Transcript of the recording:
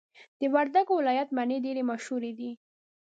د وردګو ولایت مڼي ډیري مشهور دي.